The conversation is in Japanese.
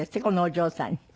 このお嬢さんに。